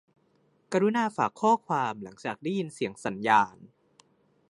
กรุณาฝากข้อความหลังจากได้ยินเสียงสัญญาณ